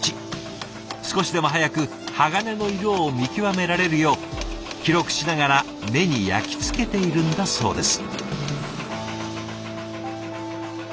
少しでも早く鋼の色を見極められるよう記録しながら目に焼き付けているんだそうです。